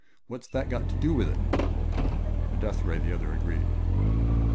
What's that got to do with it?" "A death ray," the other agreed.